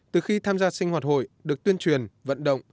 từ khi tham gia sinh hoạt hội được tuyên truyền vận động